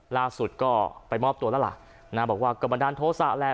ล่าสุดก็ไปมอบตัวแล้วล่ะนะบอกว่าก็บันดาลโทษะแหละ